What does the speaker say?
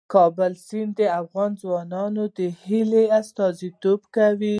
د کابل سیند د افغان ځوانانو د هیلو استازیتوب کوي.